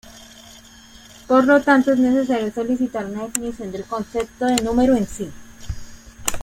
Por lo tanto, es necesario solicitar una definición del concepto de número en sí.